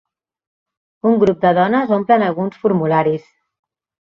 Un grup de dones omplen alguns formularis.